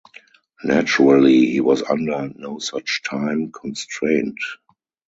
Naturally, he was under no such time constraint.